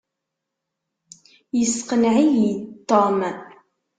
Yesseqneɛ-iyi Tom.